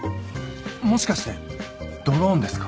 もしかしてドローンですか？